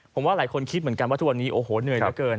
ผมว่าหลายคนคิดเหมือนกันว่าทุกวันนี้โอ้โหเหนื่อยเหลือเกิน